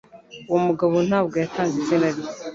Uwo mugabo ntabwo yatanga izina rye